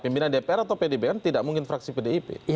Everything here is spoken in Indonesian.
pimpinan dpr atau pdip kan tidak mungkin fraksi pdip